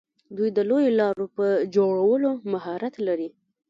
دوی د لویو لارو په جوړولو کې مهارت لري.